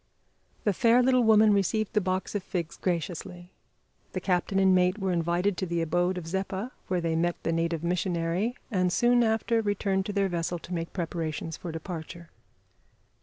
The fair little woman received the box of figs graciously; the captain and mate were invited to the abode of Zeppa, where they met the native missionary, and soon after returned to their vessel to make preparations for departure.